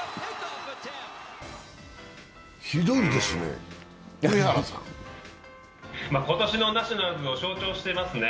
ひどいですね。